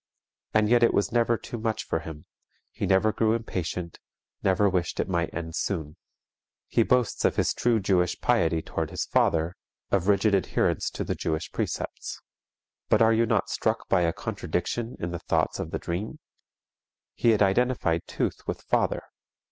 And yet it was never too much for him, he never grew impatient, never wished it might end soon. He boasts of his true Jewish piety toward his father, of rigid adherence to the Jewish precepts. But are you not struck by a contradiction in the thoughts of the dream? He had identified tooth with father.